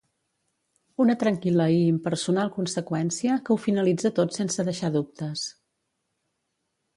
Una tranquil·la i impersonal conseqüència que ho finalitza tot sense deixar dubtes.